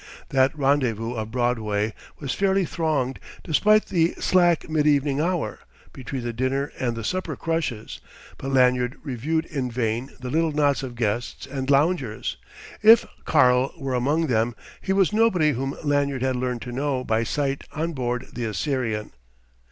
That rendezvous of Broadway was fairly thronged despite the slack mid evening hour, between the dinner and the supper crushes; but Lanyard reviewed in vain the little knots of guests and loungers; if "Karl" were among them, he was nobody whom Lanyard had learned to know by sight on board the Assyrian.